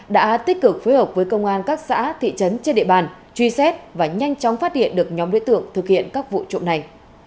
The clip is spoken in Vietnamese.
đã tích cực phối hợp với công an các xã thị trấn trên địa bàn truy xét và nhanh chóng phát hiện được nhóm đối tượng thực hiện các vụ trộm này